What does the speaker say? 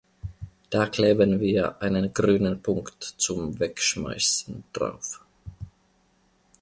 Da kleben wir einen grünen Punkt zum wegschmeißen drauf.